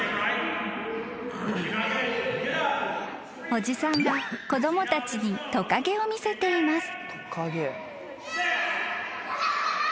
［おじさんが子供たちにトカゲを見せています］